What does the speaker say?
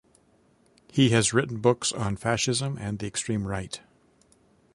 He has written books on fascism and the extreme right.